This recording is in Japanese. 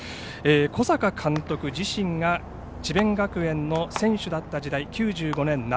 小坂監督自身が智弁学園の選手だった時代９５年夏